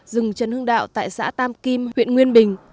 rừng trần hưng đạo tại xã tam kim huyện nguyên bình